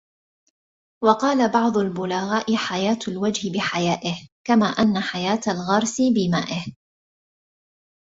وَقَالَ بَعْضُ الْبُلَغَاءِ حَيَاةُ الْوَجْهِ بِحَيَائِهِ ، كَمَا أَنَّ حَيَاةَ الْغَرْسِ بِمَائِهِ